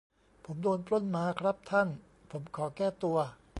ผมโดนปล้นมาครับท่าน ผมขอแก้ตัว